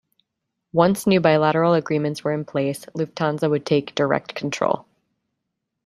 Once new bilateral agreements were in place, Lufthansa would take direct control.